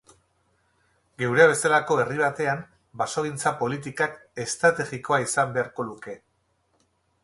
Geurea bezalako herri batean basogintza politikak estrategikoa izan beharko luke.